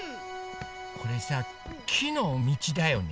これさきのみちだよね。